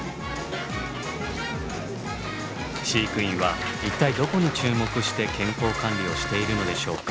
飼育員は一体どこに注目して健康管理をしているのでしょうか？